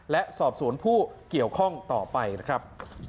และสอบสวนผู้เกี่ยวข้องต่อไปนะครับ